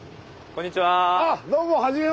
こんにちは。